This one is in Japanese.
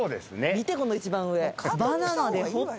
見てこの一番上。